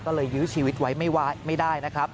ก็เลยยื้อชีวิตไว้ไม่ได้นะครับ